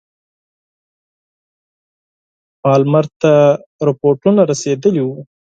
پالمر ته رپوټونه رسېدلي وه.